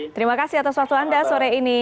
terima kasih atas waktu anda sore ini